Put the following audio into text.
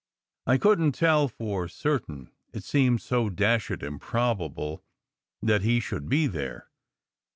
I couldn t tell for certain, it seemed so dashed improbable that he should be there.